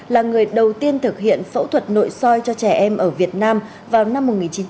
là người đầu tiên thực hiện phẫu thuật nội soi cho trẻ em ở việt nam vào năm một nghìn chín trăm bảy mươi